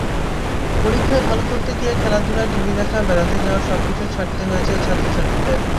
পরীক্ষায় ভালো করতে গিয়ে খেলাধুলা, টিভি দেখা, বেড়াতে যাওয়া—সবকিছু ছাড়তে হয়েছে ছাত্রছাত্রীদের।